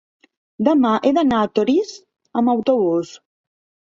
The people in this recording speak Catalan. Demà he d'anar a Torís amb autobús.